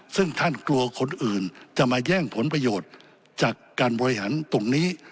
ซึ่งท่านกลัวคนอื่นจะมาแย่งผลประโยชน์จากการบริหารตรงนี้